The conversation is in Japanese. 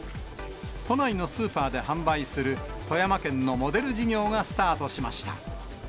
都内のスーパーで販売する、富山県のモデル事業がスタートしました。